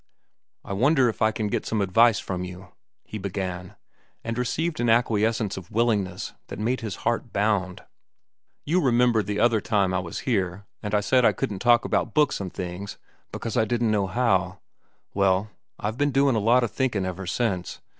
"I wonder if I can get some advice from you," he began, and received an acquiescence of willingness that made his heart bound. "You remember the other time I was here I said I couldn't talk about books an' things because I didn't know how? Well, I've ben doin' a lot of thinkin' ever since.